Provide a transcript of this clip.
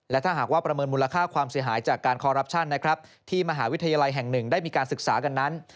และถ้าหากว่าประเมินมูลค่าความเสียหายจากการคอรัปชั่นนะครับที่มหาวิทยาลัยแห่งหนึ่งได้มีการศึกษากันนั้น